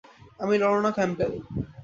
আমি Lorna Campbell.